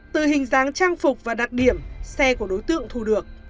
từ hình dáng trang phục và đặc điểm xe của đối tượng thu được